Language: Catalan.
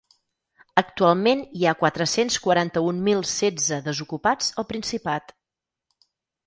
Actualment hi ha quatre-cents quaranta-un mil setze desocupats al Principat.